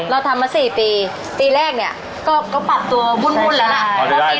เราทำมา๔ปีปีแรกเนี่ยก็ปรับตัววุ่นแล้วล่ะ